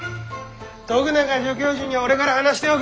徳永助教授には俺から話しておく！